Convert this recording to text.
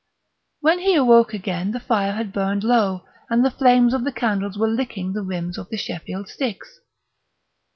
When he awoke again the fire had burned low and the flames of the candles were licking the rims of the Sheffield sticks.